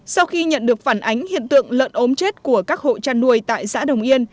sau khi nhận được phản ánh hiện tượng lợn ốm chết của các hộ chăn nuôi tại xã đồng yên